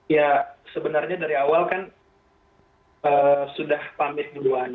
ya sebenarnya dari awal kan sudah pamit duluan